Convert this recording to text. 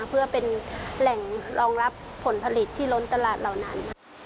เพื่อเป็นแหล่งรองรับผลผลิตที่ล้นตลาดเหล่านั้น